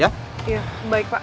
ya baik pak